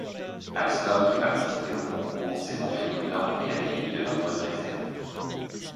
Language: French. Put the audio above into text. Alstom, qui participait au concours, s'était montré prudent et avait émis de nombreuses réserves.